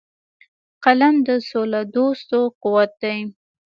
قلم د سولهدوستو قوت دی